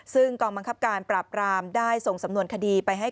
ซึ่งกองบังคับการปราบรามได้ส่งสำนวนคดีไปให้